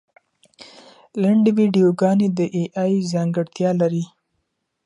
لنډې ویډیوګانې د اې ای ځانګړتیا لري.